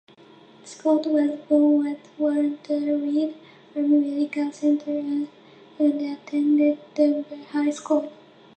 Scott was born at Walter Reed Army Medical Center and attended Dunbar High School.